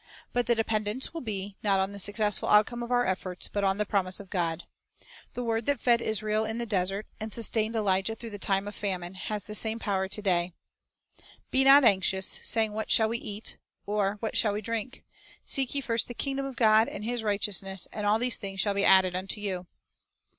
But the dependence will be, not on the successful outcome of our efforts, but on the promise of God. The word that fed Israel in the desert, and sustained Elijah through the time of famine, has the same power to day. "Be not anxious, 3 saying, What shall we eat? or, What shall we drink? .. Seek ye first the kingdom of God, and His righteous ness; and all these things shall be added unto you."